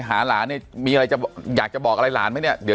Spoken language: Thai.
หาหลานเนี่ยมีอะไรจะอยากจะบอกอะไรหลานไหมเนี่ยเดี๋ยว